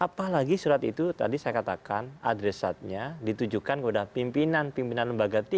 apalagi surat itu tadi saya katakan adresatnya ditujukan kepada pimpinan pimpinan lembaga tinggi